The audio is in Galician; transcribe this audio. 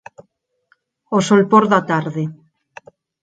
O solpor da tarde